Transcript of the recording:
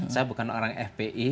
saya bukan orang fpi